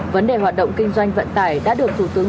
vấn đề hoạt động kinh doanh vận tải đã được thủ tướng